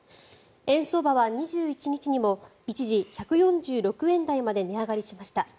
円相場は２１日にも一時１４６円台まで値上がりしました。